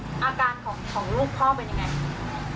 อาการของลูกพ่อเป็นยังไง